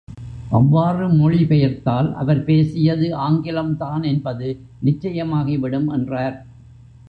அவ்வாறு மொழி பெயர்த்தால், அவர் பேசியது ஆங்கிலம்தான் என்பது நிச்சயமாகிவிடும் என்றார்.